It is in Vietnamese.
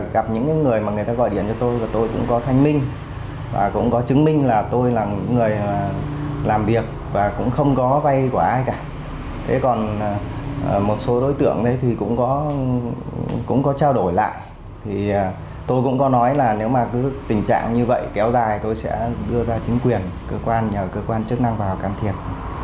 chúng tôi sẽ đưa ra chính quyền cơ quan nhà cơ quan chức năng vào càng thiệt